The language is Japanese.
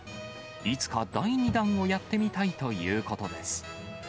いつか第２弾をやってみたいということです。